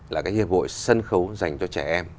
là cái hiệp hội sân khấu dành cho trẻ em